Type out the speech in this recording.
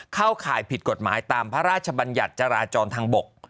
ข่ายผิดกฎหมายตามพระราชบัญญัติจราจรทางบก